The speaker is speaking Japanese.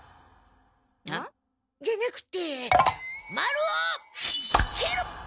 えっ？じゃなくてまるを切る！